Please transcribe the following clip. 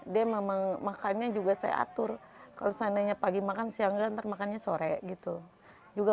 dia memang makannya juga saya atur kalau seandainya pagi makan siang dan ntar makannya sore gitu juga